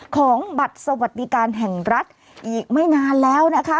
ของบัตรสวัสดิการแห่งรัฐอีกไม่นานแล้วนะคะ